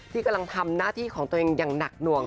ที่กำลังทำหน้าที่ของตัวเองอย่างหนักหน่วง